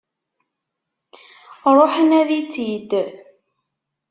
Ruḥ nadi-tt-id!